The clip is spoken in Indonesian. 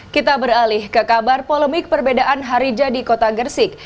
kita beralih ke kabar polemik perbedaan hari jadi kota gersik